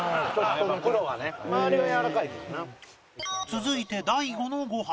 続いて大悟のご飯